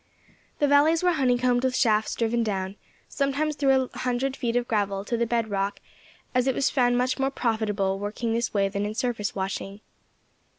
The valleys were honeycombed with shafts driven down, sometimes through a hundred feet of gravel, to the bed rock, as it was found much more profitable working this way than in surface washing.